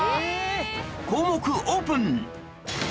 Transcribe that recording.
項目オープン